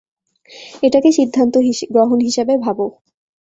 এটাকে সিদ্ধান্ত গ্রহণ হিসেবে ভাবো।